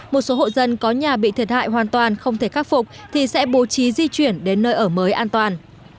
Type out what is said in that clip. một số hộ dân có nhà bị thiệt hại hoàn toàn không thể khắc phục thì sẽ bố trí di chuyển đến nơi ở mới an toàn